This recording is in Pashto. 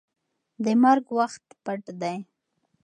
د مرګ وخت پټ دی.